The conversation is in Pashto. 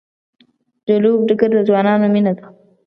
د لوبو ډګر د ځوانانو مینه ده.